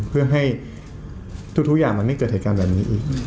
เพื่อให้ทุกอย่างมันไม่เกิดเหตุการณ์แบบนี้อีก